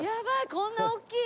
こんな大きい！